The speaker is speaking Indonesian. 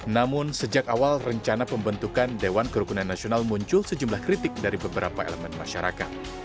namun sejak awal rencana pembentukan dewan kerukunan nasional muncul sejumlah kritik dari beberapa elemen masyarakat